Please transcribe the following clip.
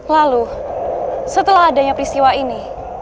lalu setelah adanya peristiwa ini